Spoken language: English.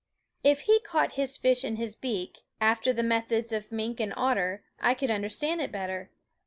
If he caught his fish in his beak, after the methods of mink and otter, I could understand it better.